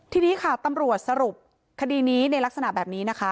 ทีนี้ค่ะตำรวจสรุปคดีนี้ในลักษณะแบบนี้นะคะ